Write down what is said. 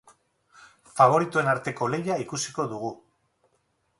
Faboritoen arteko lehia ikusiko dugu.